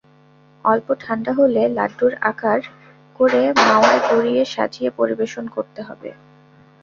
অল্প ঠান্ডা হলে লাড্ডুর আকার করে মাওয়ায় গড়িয়ে সাজিয়ে পরিবেশন করতে হবে।